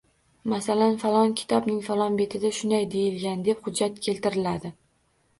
Masalan, falon kitobning falon betida shunday deyilgan, deb hujjat keltiriladi.